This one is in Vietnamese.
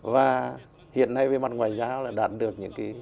và hiện nay về mặt ngoài giáo là đạt được những cái